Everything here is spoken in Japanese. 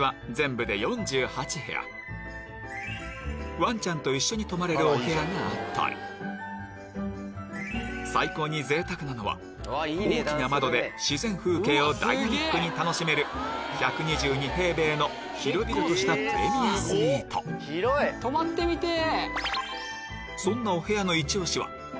ワンちゃんと一緒に泊まれるお部屋があったり最高にぜいたくなのは大きな窓で自然風景をダイナミックに楽しめる１２２平米の広々としたプレミアスイート泊まってみてぇ！